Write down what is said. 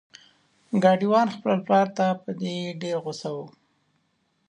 ګاډی وان خپل پلار ته په دې ډیر غوسه و.